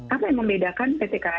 apa yang membedakan pt kai